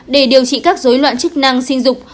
để điều trị các dối loạn chức năng sinh dục